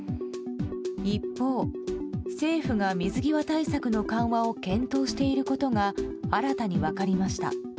一方、政府が水際対策の緩和を検討していることが新たに分かりました。